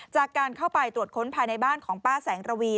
จากการเข้าไปตรวจค้นภายในบ้านของป้าแสงระวี